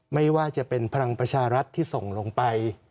ไม่ว่าจะเป็นพลังประชารัฐที่ส่งลงไป